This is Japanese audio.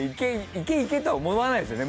いけいけとは思わないですよね